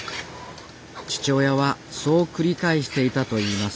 父親はそう繰り返していたと言います